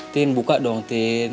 tin buka dong tin